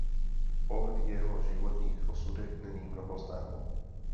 O jeho životních osudech není mnoho známo.